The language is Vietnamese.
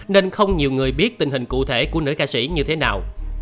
nên không nhiều người biết tình hình cụ thể của nữ ca sĩ như thế nào